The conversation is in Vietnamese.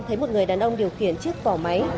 thấy một người đàn ông điều khiển chiếc vỏ máy